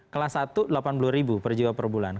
kelas satu delapan puluh ribu per jiwa per bulan